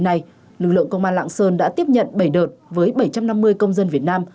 năm hai nghìn hai lực lượng công an lạng sơn đã tiếp nhận bảy đợt với bảy trăm năm mươi công dân việt nam